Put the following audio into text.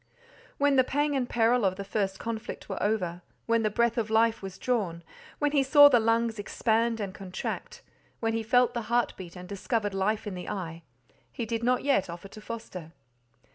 When the pang and peril of the first conflict were over, when the breath of life was drawn, when he saw the lungs expand and contract, when he felt the heart beat and discovered life in the eye, he did not yet offer to foster.